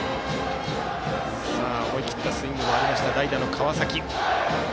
思い切ったスイングもありました代打の川崎。